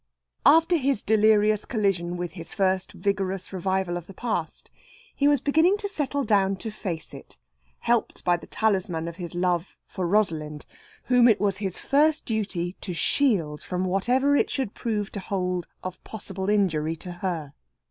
After his delirious collision with his first vigorous revival of the past, he was beginning to settle down to face it, helped by the talisman of his love for Rosalind, whom it was his first duty to shield from whatever it should prove to hold of possible injury to her.